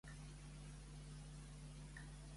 Com sabem que l'home va ser Milcíades?